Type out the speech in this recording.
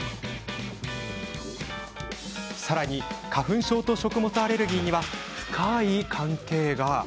さらに花粉症と食物アレルギーには深い関係が。